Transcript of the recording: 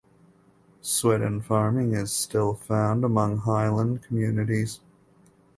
Swidden farming is still found among highland communities.